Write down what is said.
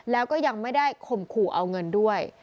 แล้วก็ยังไม่ได้ข่มขู่เอาเงินด้วย